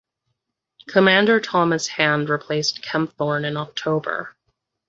Commander Thomas Hand replaced Kempthorne in October.